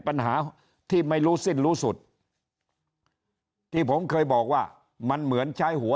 ปัญหาที่ไม่รู้สิ้นรู้สุดที่ผมเคยบอกว่ามันเหมือนใช้หัว